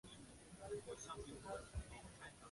本种广泛分布在台湾平地到低海拔山区。